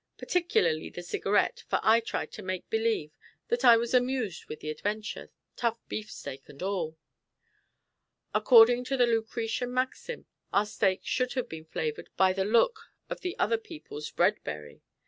Particularly the Cigarette, for I tried to make believe that I was amused with the adventure, tough beefsteak and all. According to the Lucretian maxim, our steak should have been flavoured by the look of the other people's bread berry.